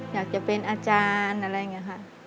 อยากจะเป็นอาจารย์อะไรอย่างนี้ค่ะ